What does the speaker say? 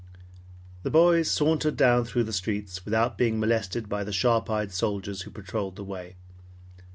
The boys sauntered down through the streets without being molested by the sharp eyed soldiers who patrolled the way.